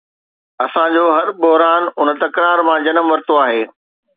اسان جو هر بحران ان تڪرار مان جنم ورتو آهي.